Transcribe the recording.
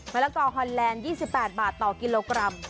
ละกอฮอนแลนด์๒๘บาทต่อกิโลกรัม